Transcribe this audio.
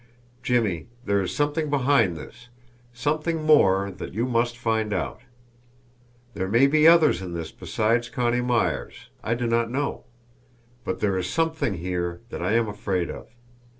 Jimmie, there is something behind this, something more that you must find out. There may be others in this besides Connie Myers, I do not know; but there is something here that I am afraid of.